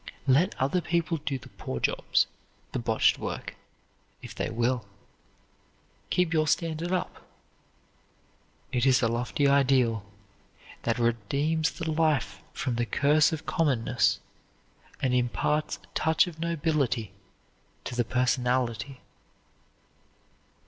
Let other people do the poor jobs, the botched work, if they will. Keep your standard up. It is a lofty ideal that redeems the life from the curse of commonness and imparts a touch of nobility to the personality.